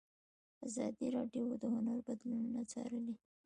ازادي راډیو د هنر بدلونونه څارلي.